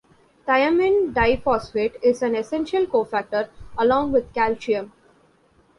Thiamine diphosphate is an essential cofactor, along with calcium.